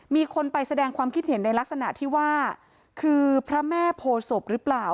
มีคนไปแสดงความคิดเห็นในลักษณะที่ว่าคือพระแม่โพศพหรือเปล่า